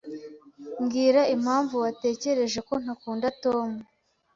Mbwira impamvu watekereje ko ntakunda Tom.